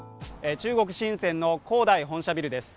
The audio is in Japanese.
中国・深センの恒大本社ビルです。